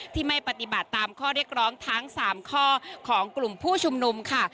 ที่ไม่ปฏิบัติตามข้อเรียกร้องทั้ง๓ข้อของกลุ่มผู้ชุมนุมค่ะ